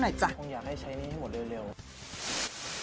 คงอยากให้ใช้นี้ให้หมดเร็ว